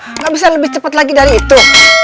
ya allah gak bisa lebih cepat lagi dari itu